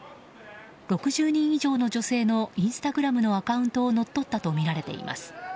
６０人以上の女性のインスタグラムのアカウントを乗っ取ったとみられています。